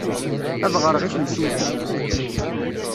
Ad ɣreɣ i temsulta!